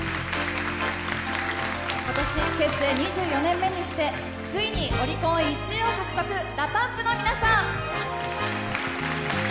今年結成２４年目にしてついにオリコン１位を獲得、ＤＡＰＵＭＰの皆さん。